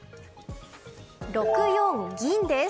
６四銀です。